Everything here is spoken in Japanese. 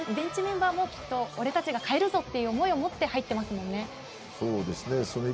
ベンチメンバーもきっと俺たちが変えるぞという思いをそうですね。